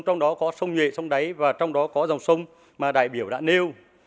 trong đó có sông nhuệ sông đáy và trong đó có dòng sông mà đại biểu đã nêu